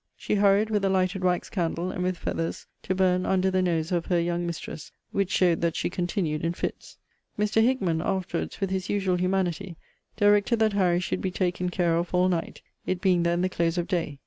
She hurried, with a lighted wax candle, and with feathers, to burn under the nose of her young mistress; which showed that she continued in fits. Mr. Hickman, afterwards, with his usual humanity, directed that Harry should be taken care of all night; it being then the close of day.